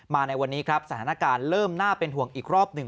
ในวันนี้ครับสถานการณ์เริ่มน่าเป็นห่วงอีกรอบหนึ่ง